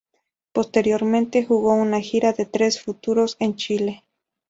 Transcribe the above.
Posteriormente jugó una gira de tres futuros en Chile.